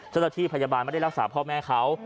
เจ้าหน้าที่พยาบาลไม่ได้รักษาพ่อแม่เขา